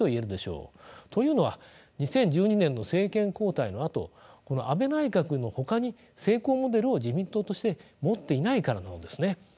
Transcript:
というのは２０１２年の政権交代のあと安倍内閣のほかに成功モデルを自民党として持っていないからなのですね。